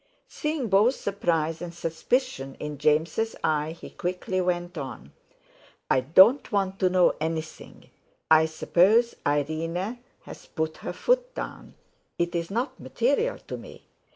Seeing both surprise and suspicion in James' eye, he quickly went on: "I don't want to know anything; I suppose Irene's put her foot down—it's not material to me.